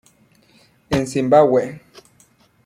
En Zimbabwe